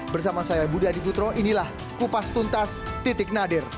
bersama saya budi adiputro inilah kupas tuntas titik nadir